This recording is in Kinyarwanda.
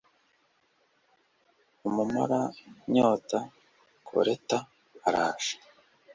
umumaranyota koleta araje